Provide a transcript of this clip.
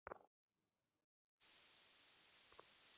দেখিল, বিছানায় মহেন্দ্র শুইয়া পড়িয়াছে।